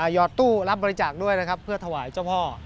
อดตู้รับบริจาคด้วยนะครับเพื่อถวายเจ้าพ่อ